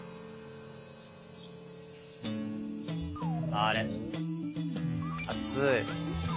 あれっ暑い。